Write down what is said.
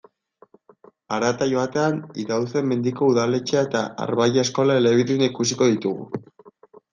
Harat joatean, Idauze-Mendiko udaletxea eta Arbailla eskola elebiduna ikusiko ditugu.